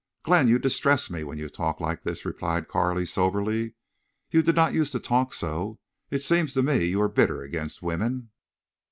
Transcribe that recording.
"Glenn, you distress me when you talk like this," replied Carley, soberly. "You did not use to talk so. It seems to me you are bitter against women."